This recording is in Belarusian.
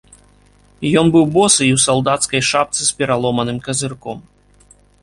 Ён быў босы і ў салдацкай шапцы з пераломаным казырком.